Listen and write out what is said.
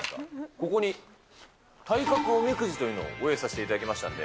ここに、体格おみくじというのをご用意させていただきましたんで。